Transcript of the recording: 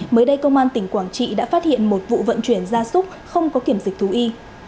mới đây công an tỉnh quảng trị đã phát hiện một vụ vận chuyển gia súc không có kiểm dịch thú y